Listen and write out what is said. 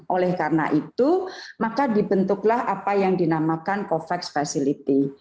oleh karena itu maka dibentuklah apa yang dinamakan covax facility